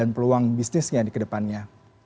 peluang bisnisnya di kedepannya